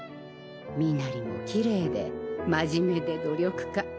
身なりもきれいで真面目で努力家。